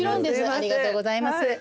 ありがとうございます。